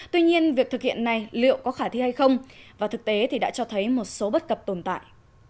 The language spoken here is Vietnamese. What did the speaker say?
tuy nhiên việc thực hiện này liệu có khả thi hay không và thực tế thì đã cho thấy một số bất cập tồn tại